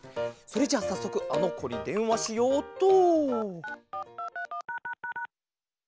それじゃあさっそくあのこにでんわしようっと。